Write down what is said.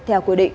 theo quy định